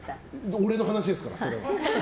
俺の話ですから、それは。